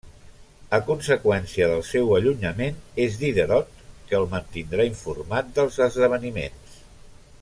A conseqüència del seu allunyament, és Diderot que el mantindrà informat dels esdeveniments.